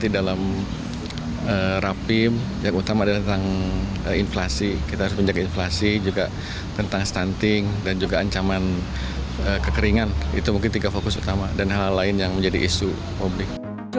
dan juga ancaman kekeringan itu mungkin tiga fokus utama dan hal lain yang menjadi isu publik